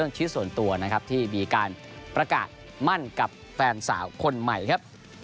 ชีวิตส่วนตัวนะครับที่มีการประกาศมั่นกับแฟนสาวคนใหม่ครับ